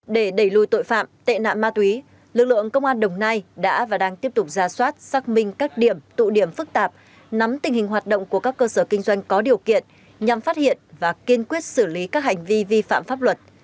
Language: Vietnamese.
để đẩy lùi tội phạm tệ nạn ma túy lực lượng công an đồng nai đã và đang tiếp tục ra soát xác minh các điểm tụ điểm phức tạp nắm tình hình hoạt động của các cơ sở kinh doanh có điều kiện nhằm phát hiện và kiên quyết xử lý các hành vi vi phạm pháp luật